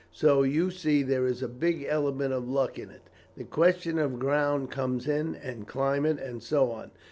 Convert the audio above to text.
So you see there is a big element of luck in it. The question of ground comes in, and climate, and so on.